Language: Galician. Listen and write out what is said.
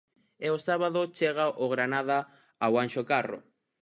E o sábado chega o Granada ao Anxo Carro.